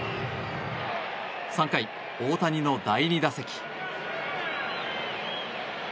３回、大谷の第２打席。